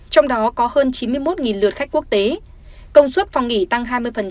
trong đó có hơn chín mươi một lượt khách quốc tế công suất phòng nghỉ tăng hai mươi